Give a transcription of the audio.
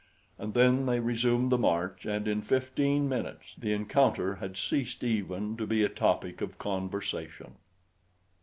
And then they resumed the march and in fifteen minutes the encounter had ceased even to be a topic of conversation.